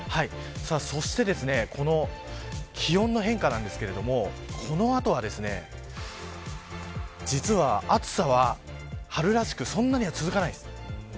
そして気温の変化ですがこの後は、実は暑さは春らしくそんなには続かないです。